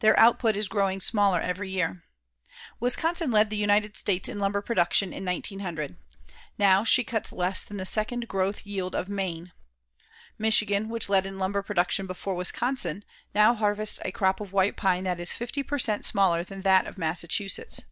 Their output is growing smaller each year. Wisconsin led the United States in lumber production in 1900. Now she cuts less than the second growth yield of Maine. Michigan, which led in lumber production before Wisconsin, now harvests a crop of white pine that is 50 per cent. smaller than that of Massachusetts.